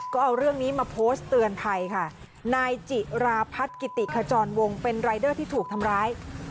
ก็เอาเรื่องนี้มาโพสต์เตือนภัยค่ะนายจิราพัฒน์กิติขจรวงเป็นรายเดอร์ที่ถูกทำร้าย